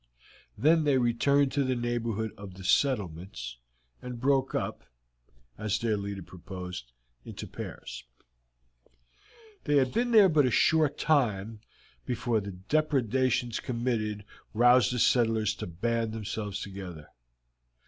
Then they returned to the neighborhood of the settlements, and broke up, as their leader proposed, into pairs. They had been there but a short time before the depredations committed roused the settlers to band themselves together.